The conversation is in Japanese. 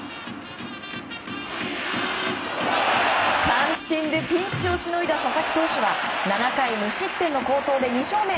三振でピンチをしのいだ佐々木投手は７回無失点の好投で２勝目。